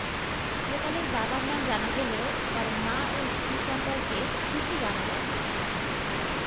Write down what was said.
গোপালের বাবার নাম জানা গেলেও তার মা ও স্ত্রী সম্পর্কে কিছু জানা যায়নি।